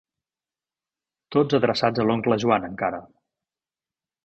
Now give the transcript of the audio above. Tots adreçats a l'oncle Joan, encara.